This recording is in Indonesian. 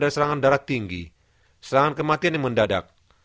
dari serangan darah tinggi serangan kematian yang mendadak